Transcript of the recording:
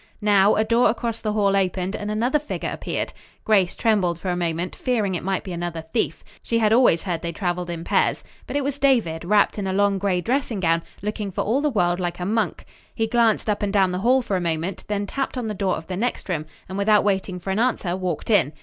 Now a door across the hall opened and another figure appeared. Grace trembled for a moment, fearing it might be another thief. She had always heard they traveled in pairs. But it was David, wrapped in a long gray dressing gown, looking for all the world like a monk. He glanced up and down the hall for a moment, then tapped on the door of the next room and without waiting for an answer walked in.